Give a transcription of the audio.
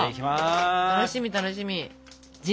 楽しみ楽しみ！